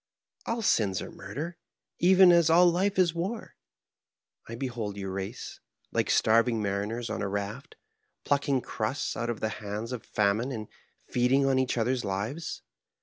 " All sins are murder, even as all life is war. I behold your race, like starving mariners on a raft, pluck ing crusts out of the hands of famine and feeding on each other's lives.